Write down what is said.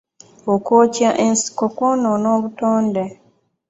Okwokya ensiko kwonona obutonde.